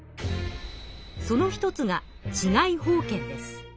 その一つが治外法権です。